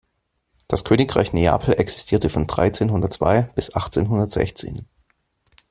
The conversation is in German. Das Königreich Neapel existierte von dreizehnhundertzwei bis achtzehnhundertsechzehn.